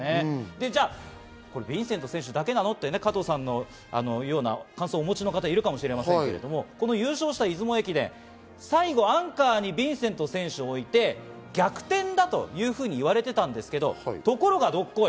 じゃあヴィンセント選手だけなの？という感想をお持ちの方がいるかもしれませんが、優勝した出雲駅伝で最後、アンカーにヴィンセント選手を置いて逆転だと言われていたんですが、ところがどっこい